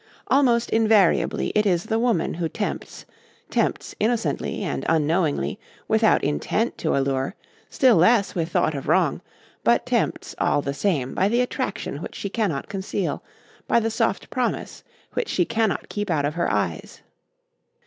Almost invariably it is the woman who tempts tempts innocently and unknowingly, without intent to allure, still less with thought of wrong but tempts all the same by the attraction which she cannot conceal, by the soft promise which she cannot keep out of her eyes.